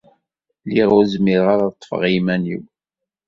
Lliɣ ur zmireɣ ara ad ṭṭfeɣ iman-iw.